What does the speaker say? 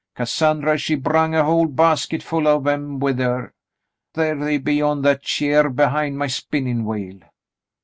Cassandrj^ she brung a whole basketful of 'em with her. Thar they be on that cheer behin' my spinnin' wheel."